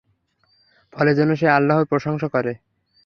ফলে যেন সে আল্লাহর প্রশংসা করে।